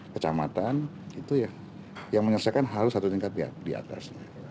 kecamatan itu ya yang menyelesaikan harus satu tingkat di atasnya